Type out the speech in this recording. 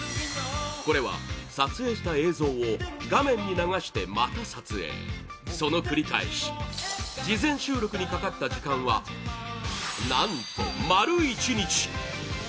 これは撮影した映像を画面に流して、また撮影その繰り返し事前収録にかかった時間は何と、丸１日！